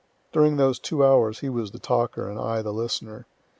During those two hours he was the talker and I the listener.